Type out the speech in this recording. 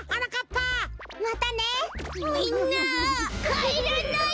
かえらないで！